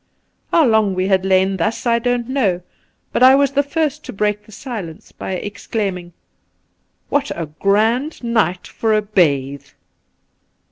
How long we had lain thus I don't know, but I was the first to break the silence by exclaiming :' What a grand night for a bathe